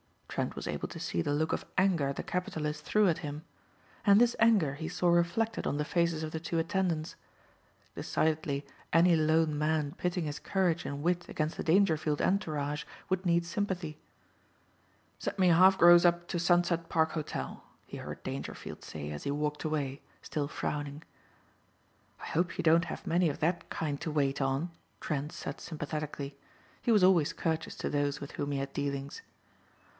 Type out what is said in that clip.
Trent was able to see the look of anger the capitalist threw at him. And this anger he saw reflected on the faces of the two attendants. Decidedly any lone man pitting his courage and wit against the Dangerfield entourage would need sympathy. "Send me a half gross up to Sunset Park Hotel," he heard Dangerfield say as he walked away, still frowning. "I hope you don't have many of that kind to wait on," Trent said sympathetically. He was always courteous to those with whom he had dealings.